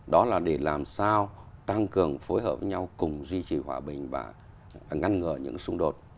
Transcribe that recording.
đó là để làm sao tăng cường phối hợp với nhau cùng duy trì hòa bình và ngăn ngừa những xung đột